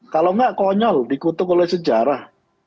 kalau nggak konyol dikutuk oleh sejarah